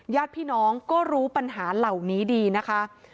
ญาติพี่น้องก็รู้ปัญหาเหล่านี้ดีนะคะ